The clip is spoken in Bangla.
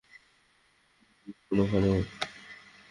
গেতো এখন ওখানে।